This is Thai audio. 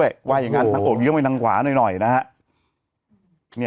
ยังไงยังไงยังไงยังไงยังไง